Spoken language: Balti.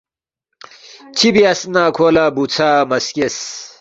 چِہ بیاس نہ کھو لہ بُوژھا مہ سکیس